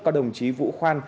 có đồng chí vũ khoan